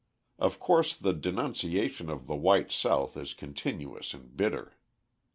Of course the denunciation of the white South is continuous and bitter.